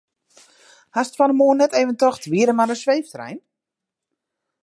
Hast fan 'e moarn net even tocht wie der mar in sweeftrein?